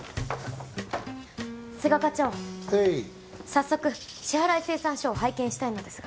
早速支払い精算書を拝見したいのですが。